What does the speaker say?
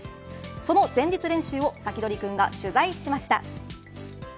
その前日練習をサキドリくんが取材しました。